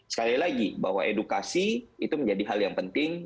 sekali lagi bahwa edukasi itu menjadi hal yang penting